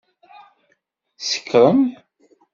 Tsekṛem?